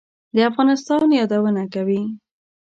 د افغانستان یادونه کوي.